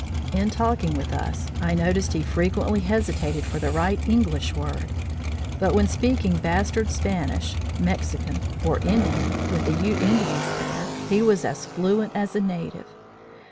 In talking with us, I noticed he frequently hesitated for the right English word; but when speaking bastard Spanish (Mexican) or Indian, with the Ute Indians there, he was as fluent as a native.